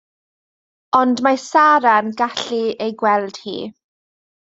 Ond mae Sara'n gallu ei gweld hi.